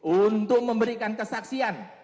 untuk memberikan kesaksian